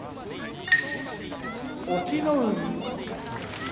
隠岐の海